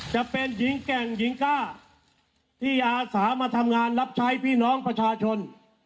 จะเป็นหญิงแก่งหญิงกล้าที่อาสามาทำงานรับใช้พี่น้องประชาชน